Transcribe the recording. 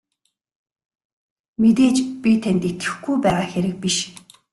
Мэдээж би танд итгэхгүй байгаа хэрэг биш.